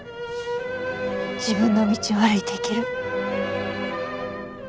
自分の道を歩いていける。